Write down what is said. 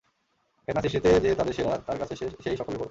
ফেতনা সৃষ্টিতে যে তাদের সেরা, তার কাছে সে-ই সকলের বড়।